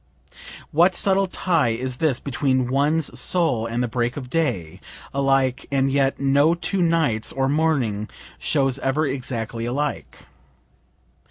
(What subtle tie is this between one's soul and the break of day? Alike, and yet no two nights or morning shows ever exactly alike.)